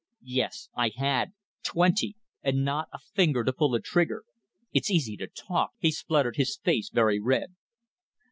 "Yes, I had! Twenty. And not a finger to pull a trigger. It's easy to talk," he spluttered, his face very red.